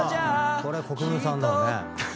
これ国分さんだもんね。